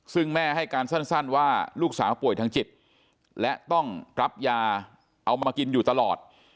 ซึ่งแม่ให้การสั้นว่าลูกสาวป่วยทางจิตและต้องรับยาเอามากินอยู่ตลอด